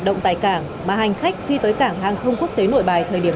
rồi có khoảng cách an toàn